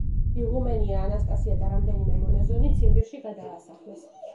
იღუმენია ანასტასია და რამდენიმე მონაზონი ციმბირში გადაასახლეს.